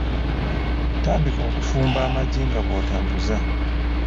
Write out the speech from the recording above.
Tandika okufumba amagi nga bw'otambuza.